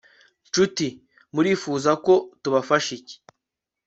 nshuti murfuza ko tubafasha iki